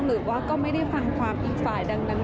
หรือว่าก็ไม่ได้ฟังความอีกฝ่ายดังนั้น